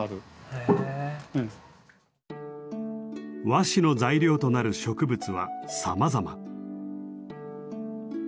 和紙の材料となる植物はさまざま。